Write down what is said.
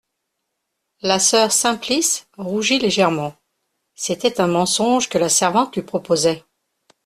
La soeur Simplice rougit légèrement ; c'était un mensonge que la servante lui proposait.